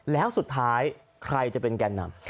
แล้วสุดท้ายใครจะเป็นแก่นำ